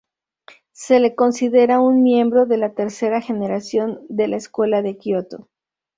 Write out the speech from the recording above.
Se le considera un miembro de la tercera generación de la Escuela de Kioto.